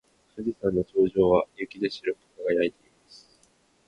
富士山の頂上は雪で白く輝いています。